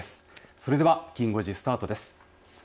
それではきん５時スタートです。